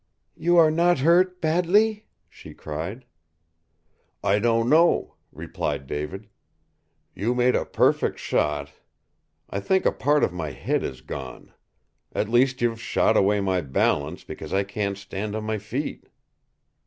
"You are not hurt badly?" she cried. "I don't know," replied David. "You made a perfect shot. I think a part of my head is gone. At least you've shot away my balance, because I can't stand on my feet!"